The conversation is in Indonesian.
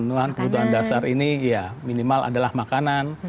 menuan kebutuhan dasar ini ya minimal adalah makanan